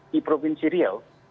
di provinsi riau